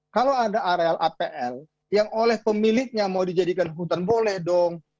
kalau ada areal apl yang oleh pemiliknya mau dijadikan hutan boleh dong